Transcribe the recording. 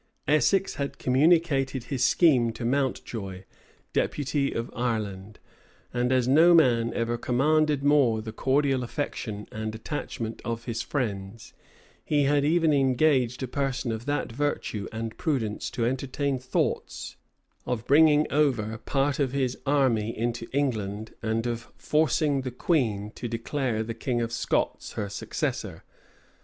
Essex had communicated his scheme to Mountjoy, deputy of Ireland; and as no man ever commanded more the cordial affection and attachment of his friends, he had even engaged a person of that virtue and prudence to entertain thoughts of bringing over part of his army into England, and of forcing the queen to declare the king of Scots her successor.